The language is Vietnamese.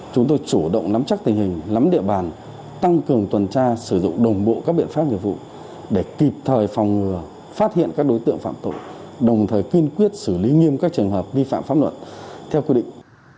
chúng tôi chủ động nắm chắc tình hình nắm địa bàn tăng cường tuần tra sử dụng đồng bộ các biện pháp nghiệp vụ để kịp thời phòng ngừa phát hiện các đối tượng phạm tội đồng thời kiên quyết xử lý nghiêm các trường hợp vi phạm pháp luật theo quy định